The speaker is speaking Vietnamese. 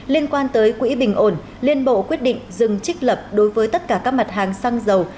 liên quan tới quỹ bình ổn liên bộ quyết định dừng trích lập đối với tất cả các mặt hàng xăng dầu